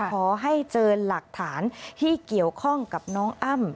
ขอให้เจอหลักฐานที่เกี่ยวข้องกับน้องอ้ำ